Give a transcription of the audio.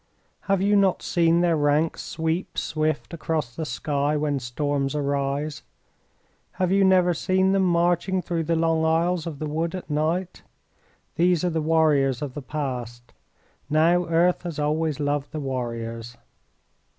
Have you not seen their ranks sweep swift across the sky when storms arise? Have you never seen them marching through the long aisles of the wood at night? These are the warriors of the past. Now earth has always loved the warriors."